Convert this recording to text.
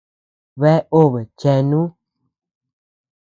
Bea obe chenu.